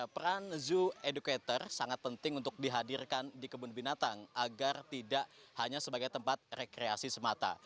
peran zoo educator sangat penting untuk dihadirkan di kebun binatang agar tidak hanya sebagai tempat rekreasi semata